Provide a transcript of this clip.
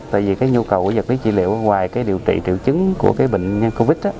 tại vì cái nhu cầu của vật lý trị liệu ngoài cái điều trị triệu chứng của cái bệnh nhân covid